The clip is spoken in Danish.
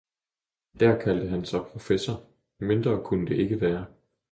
Der kaldte han sig professor, mindre kunne det ikke være.